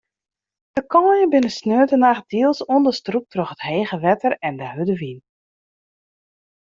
De kaaien binne saterdeitenacht diels ûnderstrûpt troch it hege wetter en de hurde wyn.